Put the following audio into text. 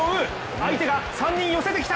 相手が３人寄せてきた！